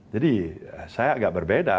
jadi saya agak berbeda